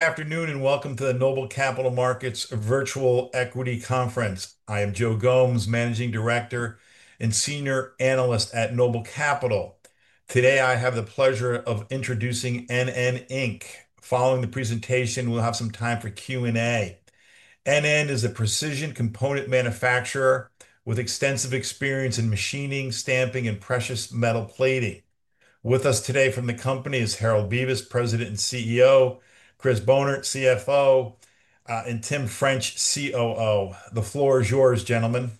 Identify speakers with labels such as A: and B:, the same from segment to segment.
A: Good afternoon and welcome to the Noble Capital Markets Virtual Equity Conference. I am Joe Gomes, Managing Director and Senior Analyst at Noble Capital. Today, I have the pleasure of introducing NN Inc. Following the presentation, we'll have some time for Q&A. NN is a precision component manufacturer with extensive experience in machining, stamping, and precious metal plating. With us today from the company is Harold Bevis, President and CEO, Chris Bohnert, CFO, and Tim French, COO. The floor is yours, gentlemen.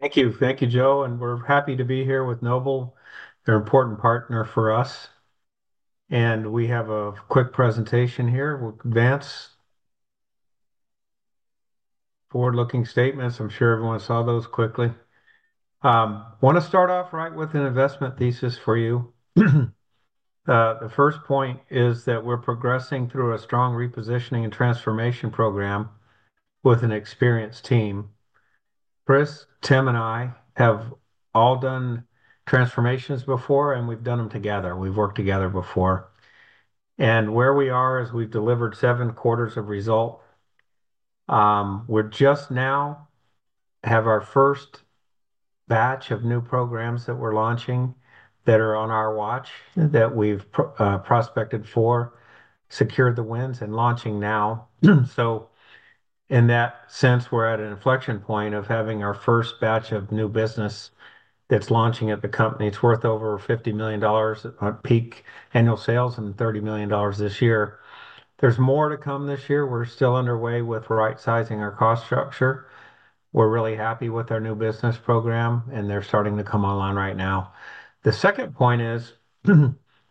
B: Thank you. Thank you, Joe. We're happy to be here with Noble. They're an important partner for us. We have a quick presentation here. We'll advance forward-looking statements. I'm sure everyone saw those quickly. I want to start off right with an investment thesis for you. The first point is that we're progressing through a strong repositioning and transformation program with an experienced team. Chris, Tim, and I have all done transformations before, and we've done them together. We've worked together before. Where we are is we've delivered seven quarters of result. We just now have our first batch of new programs that we're launching that are on our watch that we've prospected for, secured the wins, and launching now. In that sense, we're at an inflection point of having our first batch of new business that's launching at the company. It's worth over $50 million at peak annual sales and $30 million this year. There's more to come this year. We're still underway with right-sizing our cost structure. We're really happy with our new business program, and they're starting to come online right now. The second point is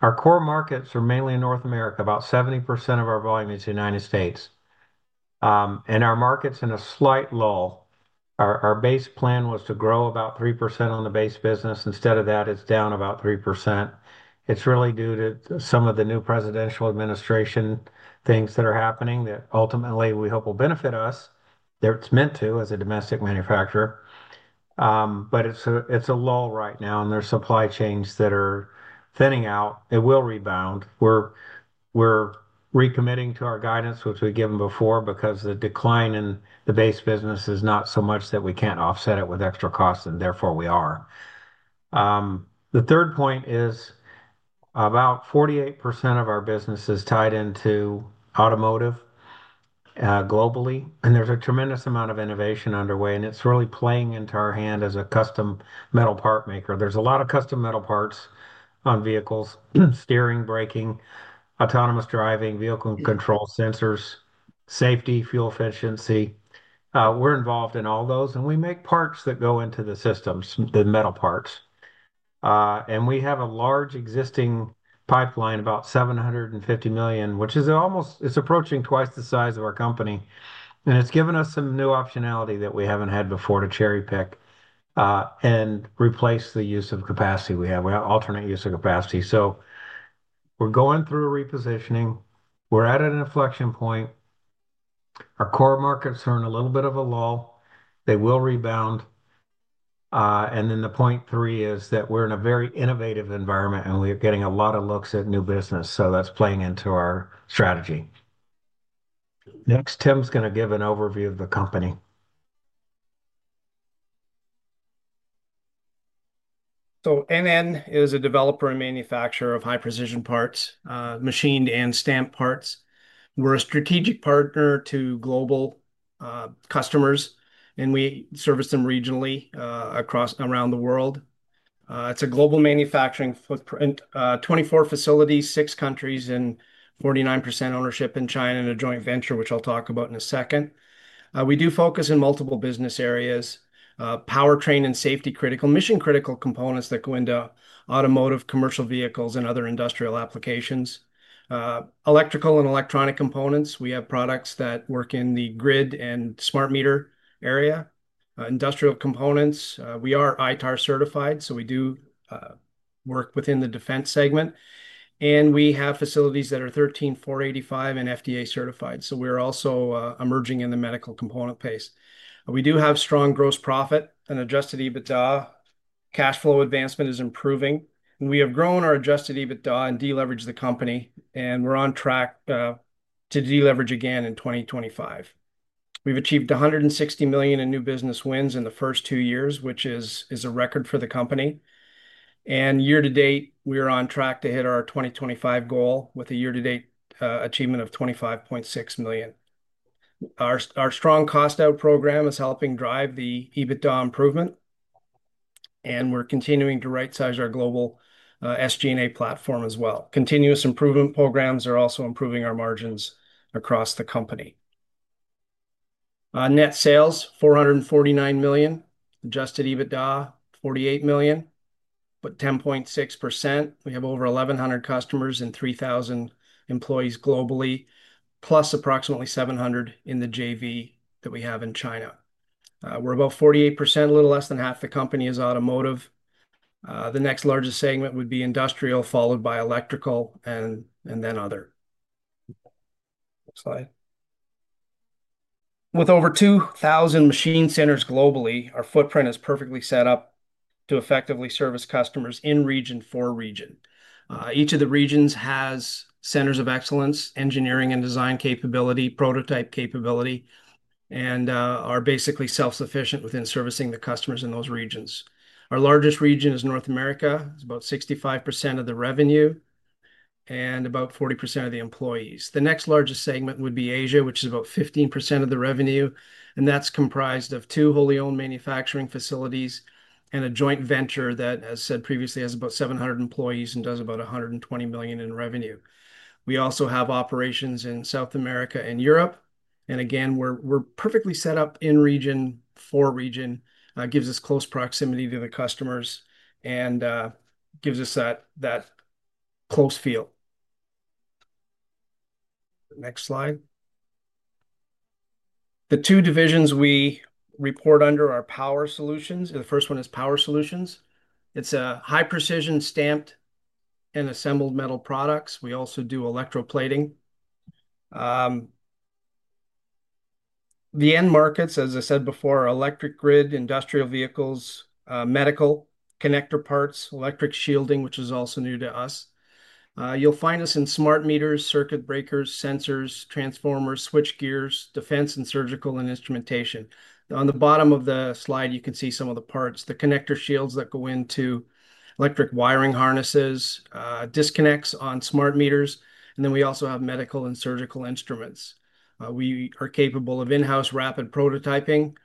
B: our core markets are mainly in North America. About 70% of our volume is United States. Our market's in a slight lull. Our base plan was to grow about 3% on the base business. Instead of that, it's down about 3%. It's really due to some of the new presidential administration things that are happening that ultimately we hope will benefit us. It's meant to as a domestic manufacturer. It's a lull right now, and there's supply chains that are thinning out. It will rebound. We're recommitting to our guidance, which we've given before, because the decline in the base business is not so much that we can't offset it with extra costs, and therefore we are. The third point is about 48% of our business is tied into automotive globally. There's a tremendous amount of innovation underway, and it's really playing into our hand as a custom metal part maker. There's a lot of custom metal parts on vehicles: steering, braking, autonomous driving, vehicle control sensors, safety, fuel efficiency. We're involved in all those, and we make parts that go into the systems, the metal parts. We have a large existing pipeline, about $750 million, which is almost—it's approaching twice the size of our company. It's given us some new optionality that we haven't had before to cherry-pick and replace the use of capacity we have. We have alternate use of capacity. We are going through a repositioning. We are at an inflection point. Our core markets are in a little bit of a lull. They will rebound. The point three is that we are in a very innovative environment, and we are getting a lot of looks at new business. That is playing into our strategy. Next, Tim is going to give an overview of the company.
C: NN is a developer and manufacturer of high-precision parts, machined and stamped parts. We're a strategic partner to global customers, and we service them regionally across around the world. It's a global manufacturing footprint: 24 facilities, six countries, and 49% ownership in China in a joint venture, which I'll talk about in a second. We do focus in multiple business areas: powertrain and safety-critical, mission-critical components that go into automotive, commercial vehicles, and other industrial applications; electrical and electronic components. We have products that work in the grid and smart meter area; industrial components. We are ITAR certified, so we do work within the defense segment. We have facilities that are 13485 and FDA certified. We're also emerging in the medical component pace. We do have strong gross profit and adjusted EBITDA. Cash flow advancement is improving. We have grown our adjusted EBITDA and deleveraged the company, and we're on track to deleverage again in 2025. We've achieved $160 million in new business wins in the first two years, which is a record for the company. Year-to-date, we are on track to hit our 2025 goal with a year-to-date achievement of $25.6 million. Our strong cost-out program is helping drive the EBITDA improvement, and we're continuing to right-size our global SG&A platform as well. Continuous improvement programs are also improving our margins across the company. Net sales, $449 million. Adjusted EBITDA, $48 million, but 10.6%. We have over 1,100 customers and 3,000 employees globally, plus approximately 700 in the JV that we have in China. We're about 48%. A little less than half the company is automotive. The next largest segment would be industrial, followed by electrical, and then other. Next slide. With over 2,000 machine centers globally, our footprint is perfectly set up to effectively service customers in region for region. Each of the regions has centers of excellence, engineering and design capability, prototype capability, and are basically self-sufficient within servicing the customers in those regions. Our largest region is North America. It's about 65% of the revenue and about 40% of the employees. The next largest segment would be Asia, which is about 15% of the revenue. That's comprised of two wholly-owned manufacturing facilities and a joint venture that, as said previously, has about 700 employees and does about $120 million in revenue. We also have operations in South America and Europe. Again, we're perfectly set up in region for region. It gives us close proximity to the customers and gives us that close feel. Next slide. The two divisions we report under are Power Solutions. The first one is Power Solutions. It's high-precision, stamped, and assembled metal products. We also do electroplating. The end markets, as I said before, are electric grid, industrial vehicles, medical connector parts, electric shielding, which is also new to us. You'll find us in smart meters, circuit breakers, sensors, transformers, switch gears, defense, and surgical instrumentation. On the bottom of the slide, you can see some of the parts: the connector shields that go into electric wiring harnesses, disconnects on smart meters. We also have medical and surgical instruments. We are capable of in-house rapid prototyping,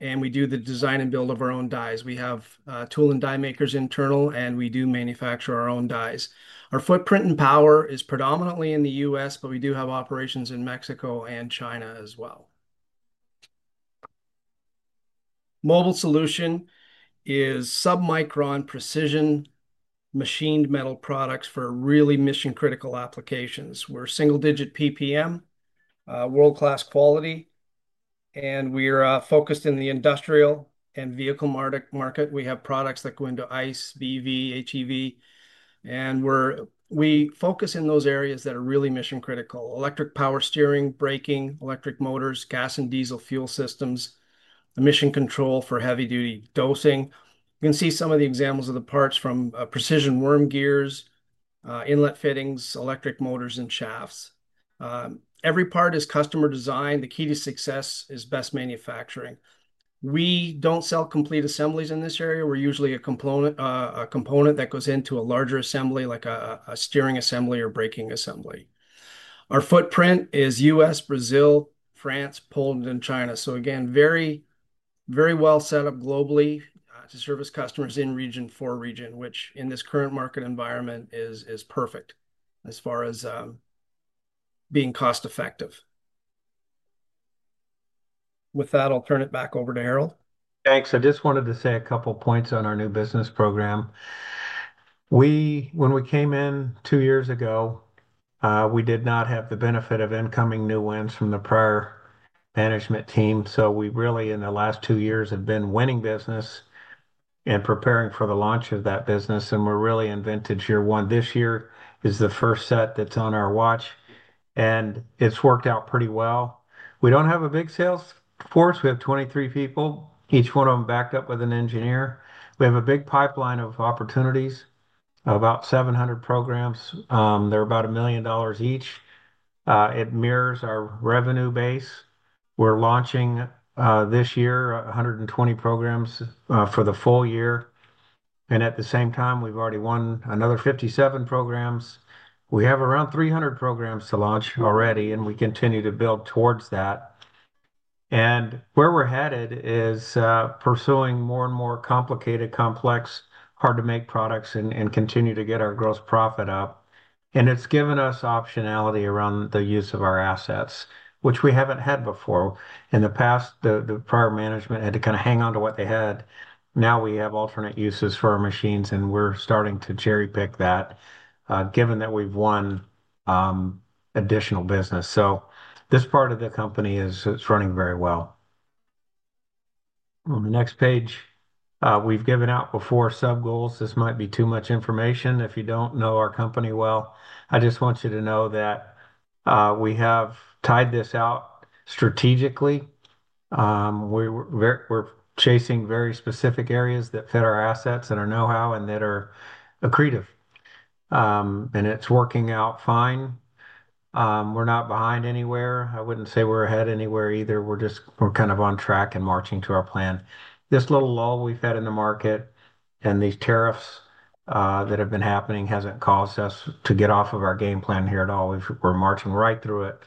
C: and we do the design and build of our own dies. We have tool and die makers internal, and we do manufacture our own dies. Our footprint in Power is predominantly in the U.S., but we do have operations in Mexico and China as well. Mobile Solution is sub-micron precision machined metal products for really mission-critical applications. We're single-digit PPM, world-class quality, and we are focused in the industrial and vehicle market. We have products that go into ICE, BEV, HEV, and we focus in those areas that are really mission-critical: electric power steering, braking, electric motors, gas and diesel fuel systems, emission control for heavy-duty dosing. You can see some of the examples of the parts from precision worm gears, inlet fittings, electric motors, and shafts. Every part is customer design. The key to success is best manufacturing. We don't sell complete assemblies in this area. We're usually a component that goes into a larger assembly, like a steering assembly or braking assembly. Our footprint is U.S., Brazil, France, Poland, and China. Again, very well set up globally to service customers in region for region, which in this current market environment is perfect as far as being cost-effective. With that, I'll turn it back over to Harold.
B: Thanks. I just wanted to say a couple of points on our new business program. When we came in two years ago, we did not have the benefit of incoming new wins from the prior management team. So we really, in the last two years, have been winning business and preparing for the launch of that business. We are really in vintage year one. This year is the first set that's on our watch, and it's worked out pretty well. We do not have a big sales force. We have 23 people, each one of them backed up with an engineer. We have a big pipeline of opportunities, about 700 programs. They are about $1 million each. It mirrors our revenue base. We are launching this year 120 programs for the full year. At the same time, we have already won another 57 programs. We have around 300 programs to launch already, and we continue to build towards that. Where we're headed is pursuing more and more complicated, complex, hard-to-make products and continue to get our gross profit up. It has given us optionality around the use of our assets, which we haven't had before. In the past, the prior management had to kind of hang on to what they had. Now we have alternate uses for our machines, and we're starting to cherry-pick that, given that we've won additional business. This part of the company is running very well. On the next page, we've given out before sub-goals. This might be too much information. If you don't know our company well, I just want you to know that we have tied this out strategically. We're chasing very specific areas that fit our assets and our know-how and that are accretive. It's working out fine. We're not behind anywhere. I wouldn't say we're ahead anywhere either. We're kind of on track and marching to our plan. This little lull we've had in the market and these tariffs that have been happening hasn't caused us to get off of our game plan here at all. We're marching right through it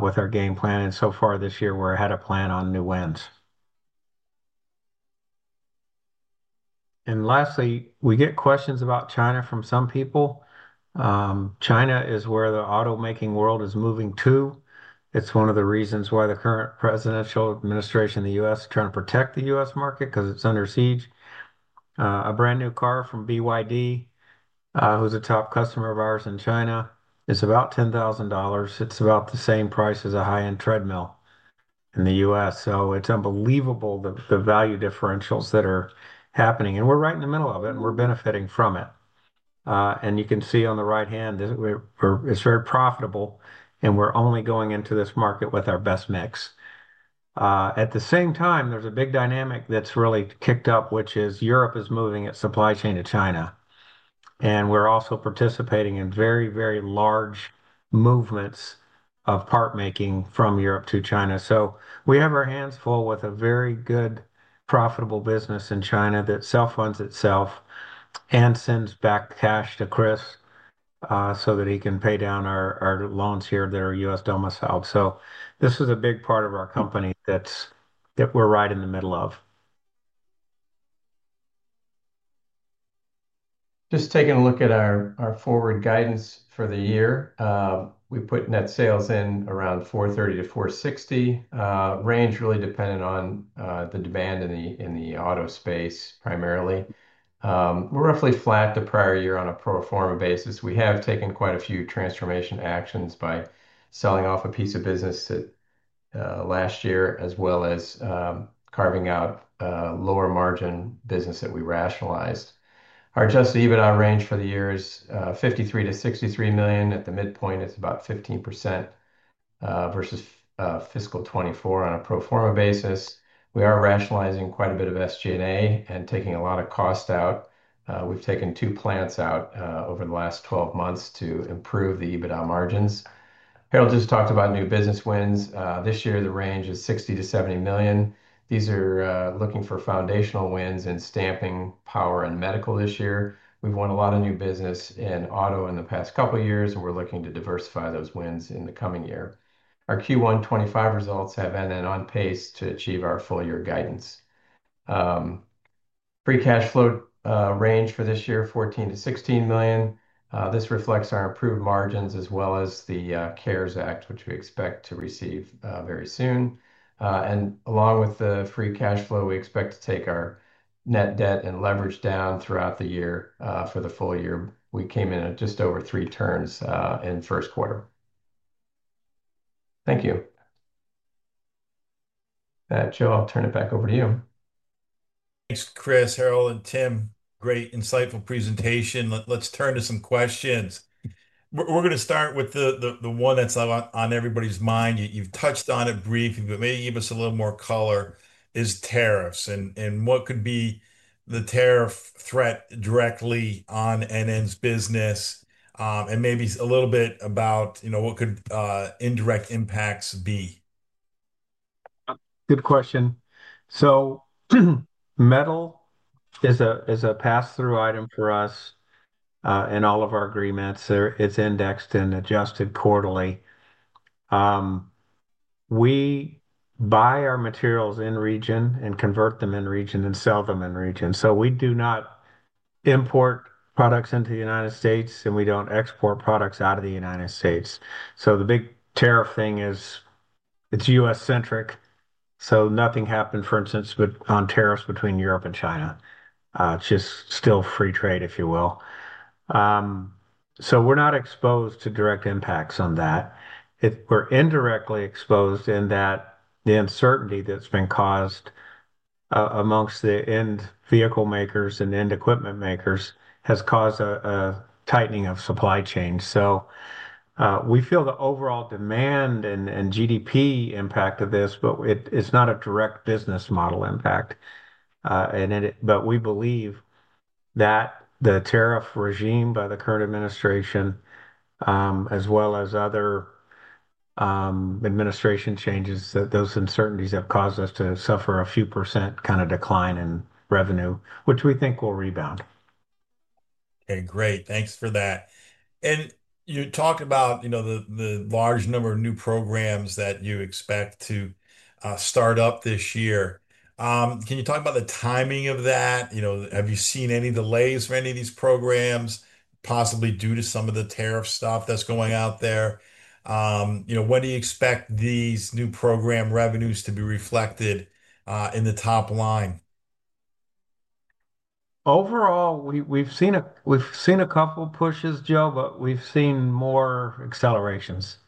B: with our game plan. So far this year, we're ahead of plan on new wins. Lastly, we get questions about China from some people. China is where the automaking world is moving to. It's one of the reasons why the current presidential administration in the U.S. is trying to protect the U.S. market because it's under siege. A brand new car from BYD, who's a top customer of ours in China, is about $10,000. It's about the same price as a high-end treadmill in the U.S. It's unbelievable the value differentials that are happening. We're right in the middle of it, and we're benefiting from it. You can see on the right hand, it's very profitable, and we're only going into this market with our best mix. At the same time, there's a big dynamic that's really kicked up, which is Europe is moving its supply chain to China. We're also participating in very, very large movements of part making from Europe to China. We have our hands full with a very good, profitable business in China that self-funds itself and sends back cash to Chris so that he can pay down our loans here that are U.S. domiciled. This is a big part of our company that we're right in the middle of.
D: Just taking a look at our forward guidance for the year, we put net sales in around $430 million-$460 million range, really dependent on the demand in the auto space primarily. We're roughly flat the prior year on a pro forma basis. We have taken quite a few transformation actions by selling off a piece of business last year as well as carving out lower margin business that we rationalized. Our adjusted EBITDA range for the year is $53 million-$63 million. At the midpoint, it's about 15% versus fiscal 2024 on a pro forma basis. We are rationalizing quite a bit of SG&A and taking a lot of cost out. We've taken two plants out over the last 12 months to improve the EBITDA margins. Harold just talked about new business wins. This year, the range is $60 million-$70 million. These are looking for foundational wins in stamping, power, and medical this year. We've won a lot of new business in auto in the past couple of years, and we're looking to diversify those wins in the coming year. Our Q1 2025 results have NN on pace to achieve our full year guidance. Free cash flow range for this year, $14-$16 million. This reflects our improved margins as well as the CARES Act, which we expect to receive very soon. Along with the free cash flow, we expect to take our net debt and leverage down throughout the year for the full year. We came in at just over three turns in first quarter. Thank you. Matt, Joe, I'll turn it back over to you.
A: Thanks, Chris, Harold, and Tim. Great insightful presentation. Let's turn to some questions. We're going to start with the one that's on everybody's mind. You've touched on it briefly, but maybe give us a little more color, is tariffs. What could be the tariff threat directly on NN's business? Maybe a little bit about what could indirect impacts be?
B: Good question. Metal is a pass-through item for us in all of our agreements. It's indexed and adjusted quarterly. We buy our materials in region and convert them in region and sell them in region. We do not import products into the United States, and we do not export products out of the United States. The big tariff thing is it's U.S.-centric. Nothing happened, for instance, on tariffs between Europe and China. It's just still free trade, if you will. We are not exposed to direct impacts on that. We are indirectly exposed in that the uncertainty that's been caused amongst the end vehicle makers and end equipment makers has caused a tightening of supply chains. We feel the overall demand and GDP impact of this, but it's not a direct business model impact. We believe that the tariff regime by the current administration, as well as other administration changes, that those uncertainties have caused us to suffer a few percent kind of decline in revenue, which we think will rebound.
A: Okay, great. Thanks for that. You talked about the large number of new programs that you expect to start up this year. Can you talk about the timing of that? Have you seen any delays for any of these programs, possibly due to some of the tariff stuff that's going out there? When do you expect these new program revenues to be reflected in the top line?
B: Overall, we've seen a couple of pushes, Joe, but we've seen more accelerations,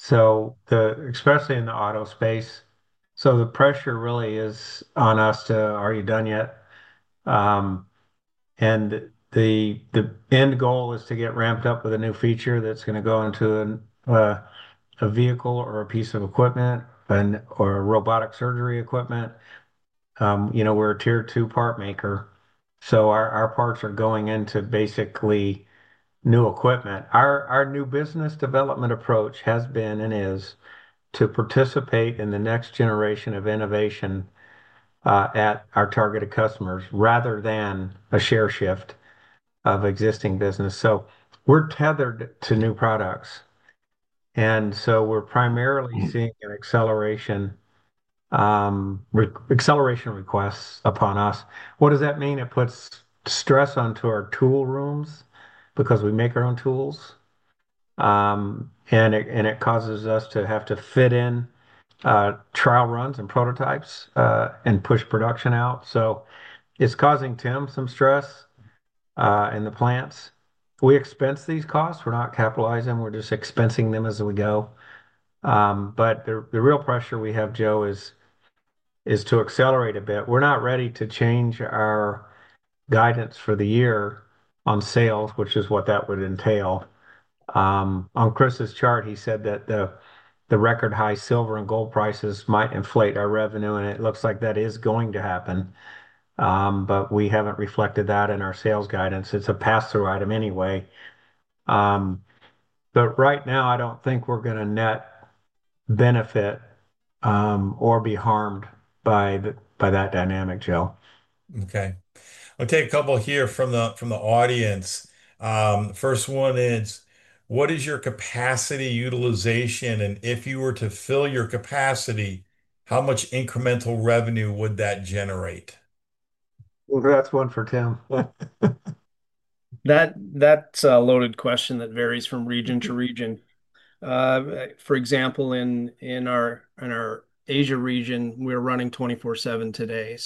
B: especially in the auto space. The pressure really is on us to, "Are you done yet?" The end goal is to get ramped up with a new feature that's going to go into a vehicle or a piece of equipment or robotic surgery equipment. We're a tier two part maker. Our parts are going into basically new equipment. Our new business development approach has been and is to participate in the next generation of innovation at our targeted customers rather than a share shift of existing business. We're tethered to new products. We're primarily seeing an acceleration request upon us. What does that mean? It puts stress onto our tool rooms because we make our own tools, and it causes us to have to fit in trial runs and prototypes and push production out. It is causing Tim some stress in the plants. We expense these costs. We are not capitalizing them. We are just expensing them as we go. The real pressure we have, Joe, is to accelerate a bit. We are not ready to change our guidance for the year on sales, which is what that would entail. On Chris' chart, he said that the record high silver and gold prices might inflate our revenue, and it looks like that is going to happen. We have not reflected that in our sales guidance. It is a pass-through item anyway. Right now, I do not think we are going to net benefit or be harmed by that dynamic, Joe.
A: Okay. I'll take a couple here from the audience. First one is, what is your capacity utilization? If you were to fill your capacity, how much incremental revenue would that generate?
B: That's one for Tim.
C: That's a loaded question that varies from region to region. For example, in our Asia region, we're running 24/7 today.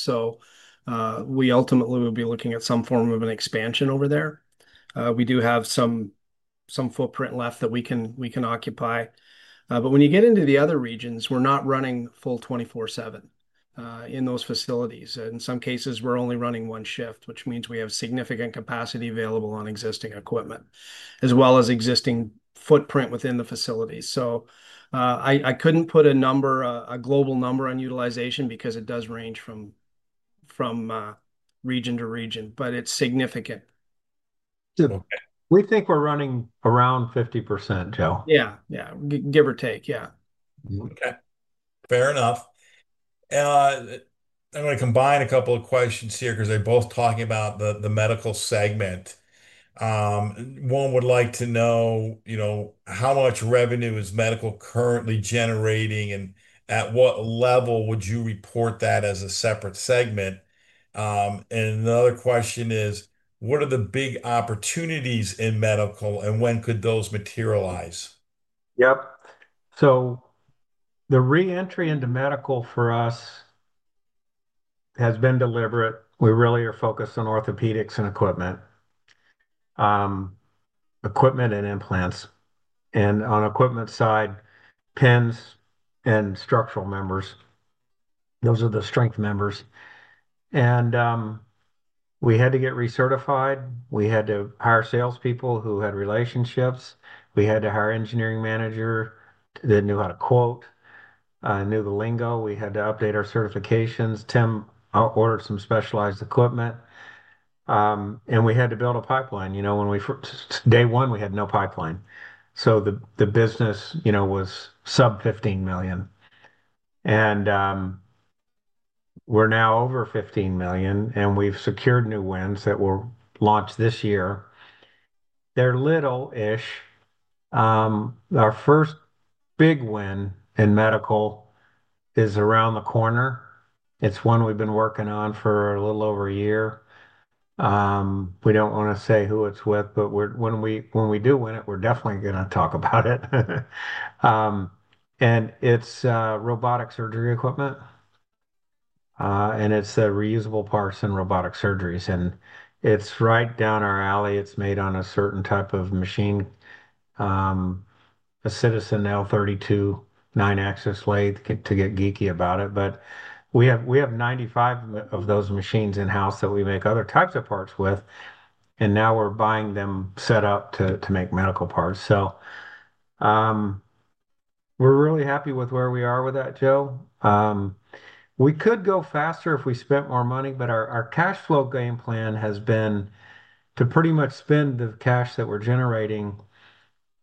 C: We ultimately will be looking at some form of an expansion over there. We do have some footprint left that we can occupy. When you get into the other regions, we're not running full 24/7 in those facilities. In some cases, we're only running one shift, which means we have significant capacity available on existing equipment as well as existing footprint within the facilities. I couldn't put a global number on utilization because it does range from region to region, but it's significant.
B: We think we're running around 50%, Joe.
C: Yeah, yeah. Give or take, yeah.
A: Okay. Fair enough. I'm going to combine a couple of questions here because they're both talking about the medical segment. One would like to know how much revenue is medical currently generating, and at what level would you report that as a separate segment? Another question is, what are the big opportunities in medical, and when could those materialize?
B: Yep. The re-entry into medical for us has been deliberate. We really are focused on orthopedics and equipment, equipment and implants. On the equipment side, pins and structural members. Those are the strength members. We had to get recertified. We had to hire salespeople who had relationships. We had to hire an engineering manager that knew how to quote, knew the lingo. We had to update our certifications. Tim ordered some specialized equipment. We had to build a pipeline. Day one, we had no pipeline. The business was sub-$15 million. We're now over $15 million, and we've secured new wins that were launched this year. They're little-ish. Our first big win in medical is around the corner. It's one we've been working on for a little over a year. We don't want to say who it's with, but when we do win it, we're definitely going to talk about it. It's robotic surgery equipment. It's the reusable parts in robotic surgeries. It's right down our alley. It's made on a certain type of machine, a Citizen L32, nine-axis lathe, to get geeky about it. We have 95 of those machines in-house that we make other types of parts with. Now we're buying them set up to make medical parts. We're really happy with where we are with that, Joe. We could go faster if we spent more money, but our cash flow game plan has been to pretty much spend the cash that we're generating.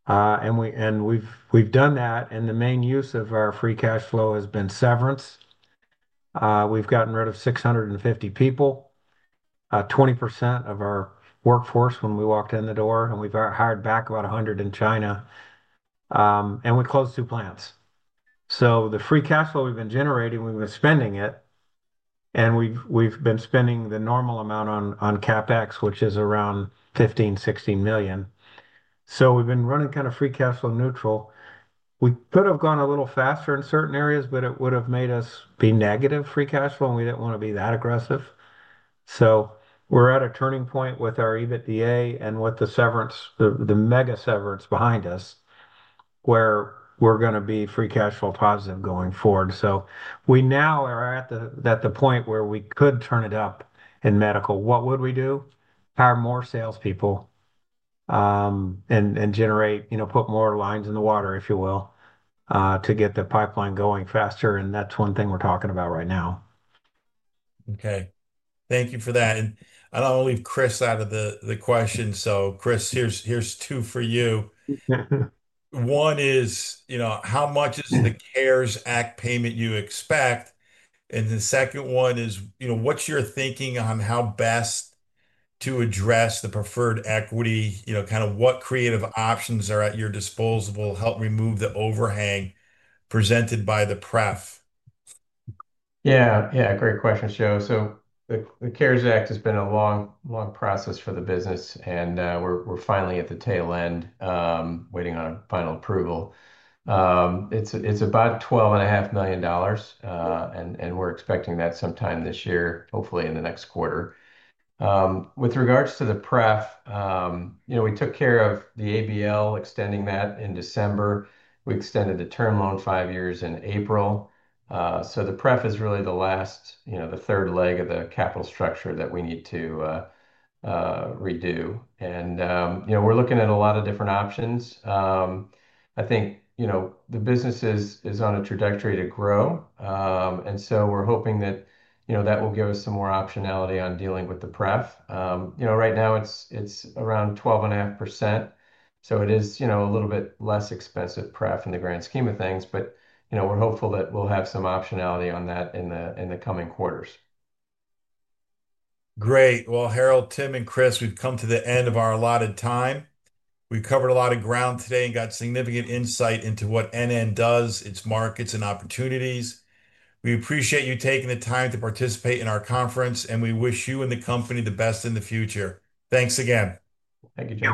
B: We've done that. The main use of our free cash flow has been severance. We've gotten rid of 650 people, 20% of our workforce when we walked in the door. We've hired back about 100 in China. We closed two plants. The free cash flow we've been generating, we've been spending it. We've been spending the normal amount on CapEx, which is around $15 million-$16 million. We've been running kind of free cash flow neutral. We could have gone a little faster in certain areas, but it would have made us be negative free cash flow, and we didn't want to be that aggressive. We're at a turning point with our EBITDA and with the severance, the mega severance behind us, where we're going to be free cash flow positive going forward. We now are at the point where we could turn it up in medical. What would we do? Hire more salespeople and generate, put more lines in the water, if you will, to get the pipeline going faster. That is one thing we're talking about right now.
A: Okay. Thank you for that. I'll leave Chris out of the question. Chris, here's two for you. One is, how much is the CARES Act payment you expect? The second one is, what's your thinking on how best to address the preferred equity, kind of what creative options are at your disposal will help remove the overhang presented by the pref?
D: Yeah, yeah. Great question, Joe. The CARES Act has been a long process for the business, and we're finally at the tail end, waiting on final approval. It's about $12.5 million, and we're expecting that sometime this year, hopefully in the next quarter. With regards to the prep, we took care of the ABL, extending that in December. We extended the term loan five years in April. The prep is really the last, the third leg of the capital structure that we need to redo. We're looking at a lot of different options. I think the business is on a trajectory to grow. We're hoping that will give us some more optionality on dealing with the prep. Right now, it's around 12.5%. It is a little bit less expensive prep in the grand scheme of things, but we're hopeful that we'll have some optionality on that in the coming quarters.
A: Great. Harold, Tim, and Chris, we've come to the end of our allotted time. We've covered a lot of ground today and got significant insight into what NN does, its markets, and opportunities. We appreciate you taking the time to participate in our conference, and we wish you and the company the best in the future. Thanks again.
B: Thank you, Joe.